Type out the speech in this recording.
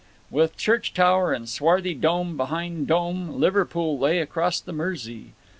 With church tower and swarthy dome behind dome, Liverpool lay across the Mersey.